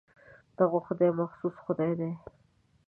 دغه خدای مخصوص خدای دی.